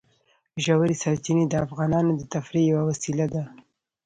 ژورې سرچینې د افغانانو د تفریح یوه وسیله ده.